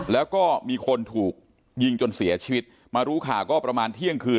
แล้วก็มีคนถูกยิงจนเสียชีวิตมารู้ข่าวก็ประมาณเที่ยงคืน